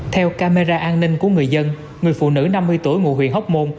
theo camera an ninh của người dân người phụ nữ năm mươi tuổi ngụ huyện hóc môn